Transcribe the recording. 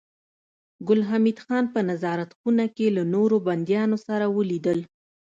ګل حمید خان په نظارت خونه کې له نورو بنديانو سره ولیدل